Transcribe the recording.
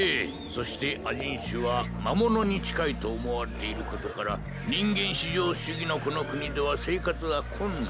そして亜人種は魔物に近いと思われていることから人間至上主義のこの国では生活が困難。